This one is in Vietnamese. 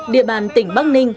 địa bàn tỉnh bắc ninh